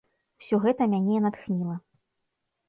Усё гэта мяне натхніла.